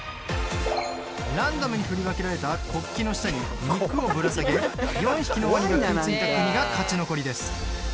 ランダムに振り分けられた国旗の下に肉をぶら下げ、４匹のワニが食いついた国が勝ち残りです。